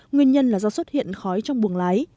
nguyên nhân là do xuất hiện khói trong buồng lái